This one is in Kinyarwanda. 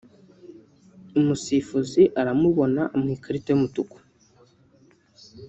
umusifuzi aramubona amuha ikarita y’umutuku